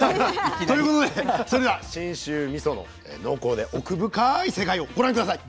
ということでそれでは信州みその濃厚で奥深い世界をご覧下さい。